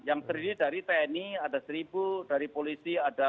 yang terdiri dari tni ada seribu dari polri ada dua ratus